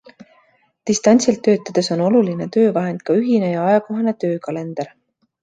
Distantsilt töötades on oluline töövahend ka ühine ja ajakohane töökalender.